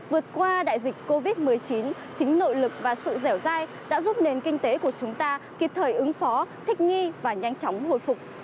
vượt qua đại dịch covid một mươi chín chính nội lực và sự dẻo dai đã giúp nền kinh tế của chúng ta kịp thời ứng phó thích nghi và nhanh chóng hồi phục